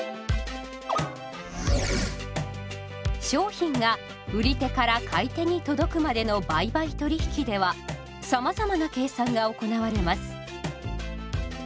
商品が売り手から買い手に届くまでの売買取引ではさまざまな計算が行われます。